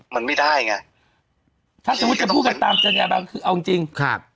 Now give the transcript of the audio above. มันไม่ได้ไงถ้าสมมุติจะพูดกันตามจริงเอาจริงจริงค่ะ